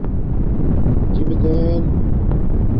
جیمدݵین